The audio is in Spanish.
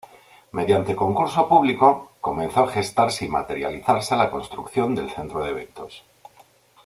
Mediante concurso público comenzó a gestarse y materializarse la construcción del centro de eventos.